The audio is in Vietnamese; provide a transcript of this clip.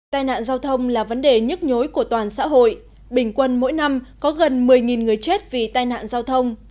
tài nạn giao thông là vấn đề nhất nhối của toàn xã hội bình quân mỗi năm có gần một mươi người chết vì tài nạn giao thông